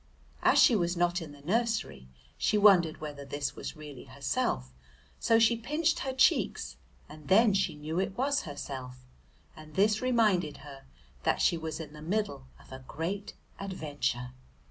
As she was not in the nursery she wondered whether this was really herself, so she pinched her cheeks, and then she knew it was herself, and this reminded her that she was in the middle of a great adventure.